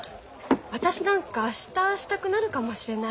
私なんか明日したくなるかもしれない。